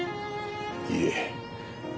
いいえ。